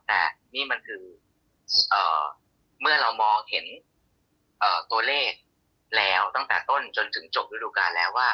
แต่นี่มันคือเมื่อเรามองเห็นตัวเลขแล้วตั้งแต่ต้นจนถึงจบฤดูการแล้วว่า